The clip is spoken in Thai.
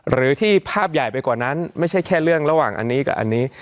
หรือที่ภาพใหญ่ไปกว่านั้นไม่ใช่แค่เรื่องระหว่างอันนี้กับอันนี้